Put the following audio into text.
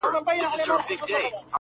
o پر محراب به مي د زړه هغه امام وي,